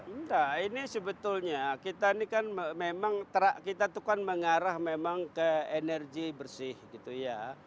enggak ini sebetulnya kita ini kan memang kita itu kan mengarah memang ke energi bersih gitu ya